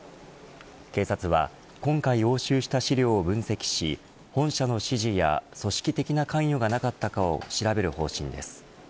警察は今回押収した資料を分析し本社の指示や組織的な関与がなかったかを調べる方針です。